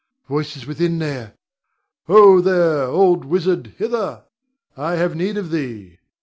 voices within there. Ho, there! old wizard, hither! I have need of thee!